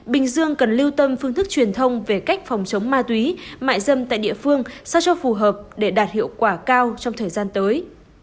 bình dương cần lưu tâm phương thức truyền thông về cách phòng chống ma túy mại dâm tại địa phương sao cho phù hợp để đạt hiệu quả cao trong thời gian tới